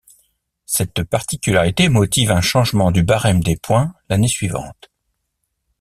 Cette particularité motive un changement du barème des points l'année suivante.